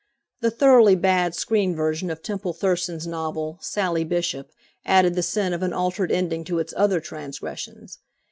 The thoroughly bad screen version of Temple Thurston's novel "Sally Bishop" added the sin of an altered ending to its other transgressions.